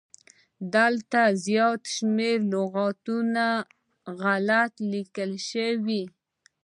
دلته زيات شمېر لغاتونه غلت ليکل شوي